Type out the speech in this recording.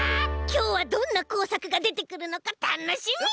きょうはどんなこうさくがでてくるのかたのしみ！